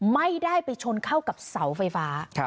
ไม่ได้ไปชนเข้ากับเสาไฟฟ้า